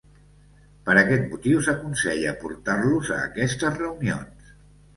Per aquest motiu, s'aconsella aportar-los a aquestes reunions.